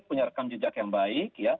punya rekam jejak yang baik